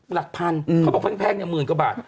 หลักพันธุ์เขาบอกแพงมึงกว่าบาท